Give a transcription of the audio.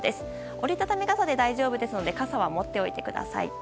折り畳み傘で大丈夫ですので傘を持っておいてください。